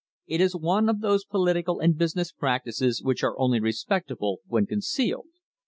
It is one of those political and business practices which are only respectable when con cealed.